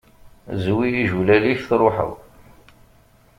Zwi ijulal-ik truḥeḍ!